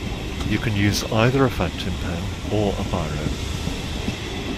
You can use either a fountain pen or a biro